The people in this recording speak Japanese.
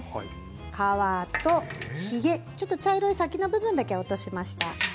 皮とヒゲ茶色い先の部分だけ落としました。